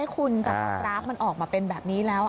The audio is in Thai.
คุณแต่ความกราฟมันออกมาเป็นแบบนี้แล้ว